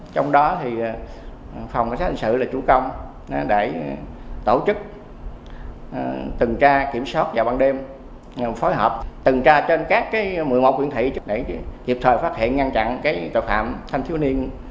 tổ chức tần tra kiểm soát vào ban đêm phối hợp tần tra trên các một mươi một quyển thị để hiệp thời phát hiện ngăn chặn tội phạm thanh thiếu niên